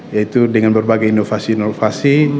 yaitu dengan berbagai inovasi inovasi